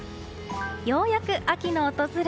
ようやく秋の訪れ。